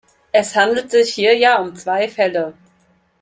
Es handelt sich hier ja um zwei Fälle.